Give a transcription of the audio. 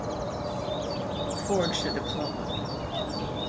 Forged a diploma.